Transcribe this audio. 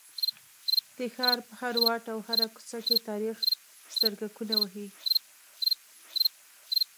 د ښار په هر واټ او هره کوڅه کې تاریخ سترګکونه وهي.